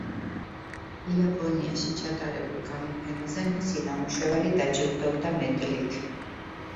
იაპონიაში ჩატარებულ გამოფენაზე მისი ნამუშევარი დაჯილდოვდა მედლით.